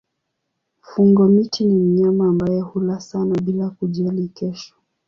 Fungo-miti ni mnyama ambaye hula sana bila kujali kesho.